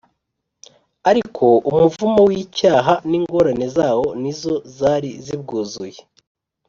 . Ariko umuvumo w’icyaha, n’ingorane zawo, nizo zari zibwuzuye